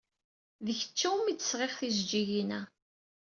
D kečč umi d-sɣiɣ tijeǧǧigin-a.